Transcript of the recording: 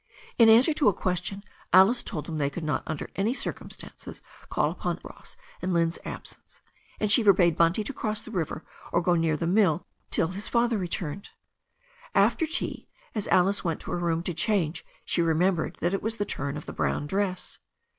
In answer to a question, Alice told them they could not under any circumstance call upon Allen Ross vali^^iSi.^^ 366 THE STORY OF A NEW ZEALAND RIVER absence, and she forbade Bunty to cross the river or go near the mill till his father returned. After tea, as Alice went to her room to change, she re membered that it was the turn of the brown dress.